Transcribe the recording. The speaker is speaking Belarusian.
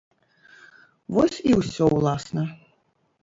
Вось і ўсё ўласна.